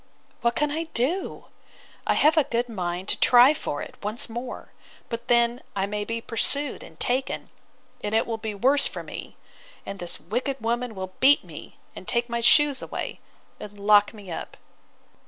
—What can I do?—I have a good mind to try for it once more; but then I may be pursued and taken: and it will be worse for me; and this wicked woman will beat me, and take my shoes away, and lock me up.